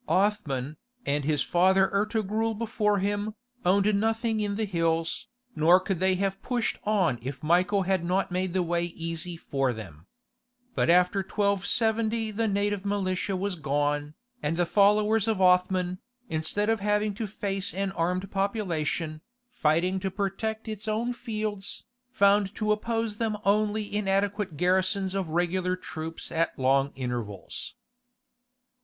Othman, and his father Ertogrul before him, owned nothing in the hills, nor could they have pushed on if Michael had not made the way easy for them. But after 1270 the native militia was gone, and the followers of Othman, instead of having to face an armed population, fighting to protect its own fields, found to oppose them only inadequate garrisons of regular troops at long intervals.